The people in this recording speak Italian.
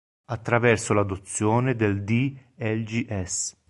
Attraverso l'adozione del d. lgs.